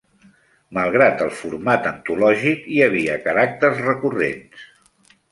Malgrat el format antològic, hi havia caràcters recurrents.